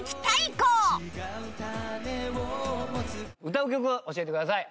歌う曲を教えてください。